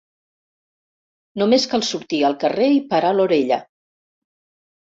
Només cal sortir al carrer i parar l'orella.